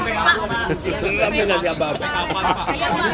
pak rehat dulu ini masih di pikirkan